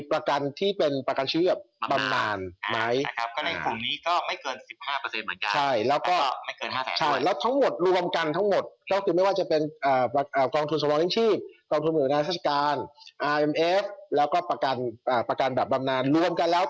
เพราะฉะนั้นแต่เงื่อนไขของการลงทุนทั้ง๓คนผมบอกได้เลยว่าเขานิดลงทุนยาวยาว